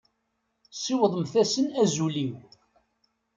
Siwḍemt-asen azul-iw.